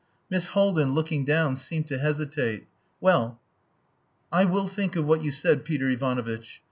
Miss Haldin, looking down, seemed to hesitate. "Well! I will think of what you said, Peter Ivanovitch.